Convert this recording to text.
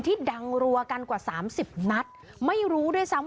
ที่ดังรัวกันกว่า๓๐นัทไม่รู้ด้วยซ้ำ